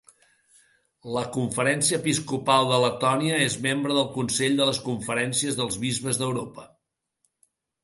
La Conferència episcopal de Letònia és membre del Consell de les conferències dels bisbes d'Europa.